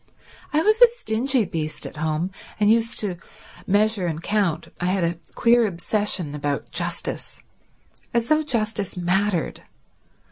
I was a stingy beast at home, and used to measure and count. I had a queer obsession about justice. As though justice mattered.